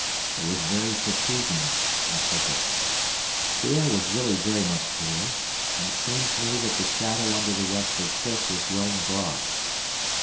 It was very fatiguing and hopeless. The air was really very much cooler, and it seemed to me that the shadow under the westward cliff was growing broad.